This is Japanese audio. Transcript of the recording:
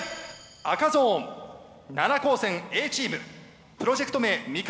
赤ゾーン奈良高専Ａチームプロジェクト名「三笠」。